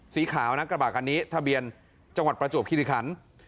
สีขาวนะกระบะคันนี้ทะเบียนจังหวัดประจวบคิริคัน